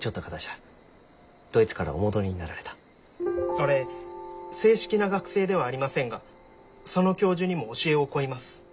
俺正式な学生ではありませんがその教授にも教えを請います。